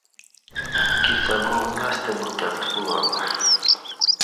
امکی سبق لستہ بوتت کو بہ بہ